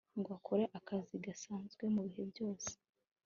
ngo akore akazi gasanzwe mu bihe byose